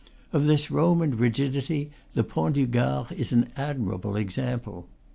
Of this Roman rigidity the Pont du Gard is an admirable example.